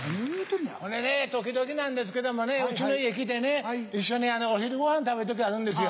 ほんでね時々なんですけどもねうちの家来てね一緒にお昼ごはん食べる時あるんですよ。